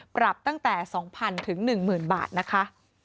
ปรับตั้งแต่๒๐๐๐ถึง๑๐๐บาทนะคะ